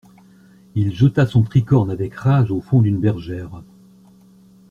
Il jeta son tricorne avec rage au fond d'une bergère.